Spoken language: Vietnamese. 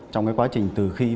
trong cái quá trình từ khi